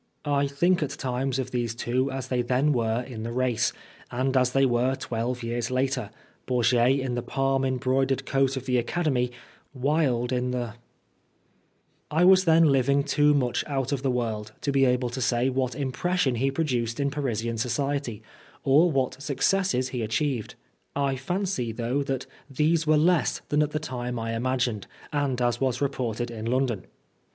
I think at times of these two as they then were in the race, and as they were twelve years later, Bourget in the palm embroidered coat of the Academy, Wilde in the .. 66 Oscar Wilde I was then living too much out of the world, to be able to say what impression he produced in Parisian society, or what suc cesses he achieved. J fancy, though, that these were less than at the time I imagined, and as was reported in London.